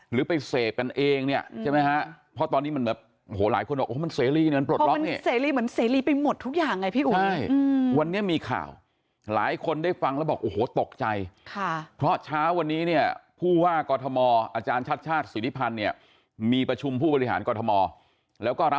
หรือไปเสพกันเองเนี่ยใช่ไหมฮะ